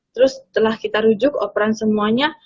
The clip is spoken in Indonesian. terus setelah kita rujuk operan semuanya